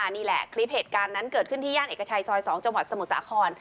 นี่แหละคลิปเหตุการณ์นั้นเกิดขึ้นที่ย่านเอกชัยซอย๒จังหวัดสมุทรสาคร